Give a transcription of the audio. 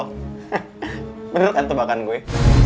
bener kan tebakan gue